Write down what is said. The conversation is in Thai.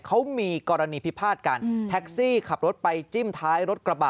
เขามีกรณีพิพาทกันแท็กซี่ขับรถไปจิ้มท้ายรถกระบะ